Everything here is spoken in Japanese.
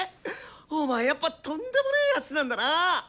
お前やっぱとんでもね奴なんだな！